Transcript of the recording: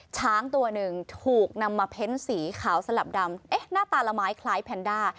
ช้างตัวหนึ่งถูกนำมาเพ้นสีขาวสลับดำเอ๊ะหน้าตาละไม้คล้ายแพนด้า